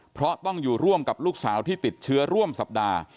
เพราะต้องอยู่ร่วมกับลูกสาวที่ติดเชื้อร่วมสัปดาห์